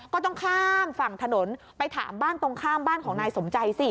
ก็ต้องข้ามฝั่งถนนไปถามบ้านตรงข้ามบ้านของนายสมใจสิ